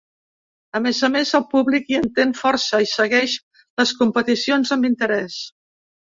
A més a més, el públic hi entén força i segueix les competicions amb interès.